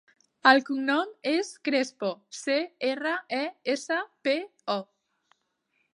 El cognom és Crespo: ce, erra, e, essa, pe, o.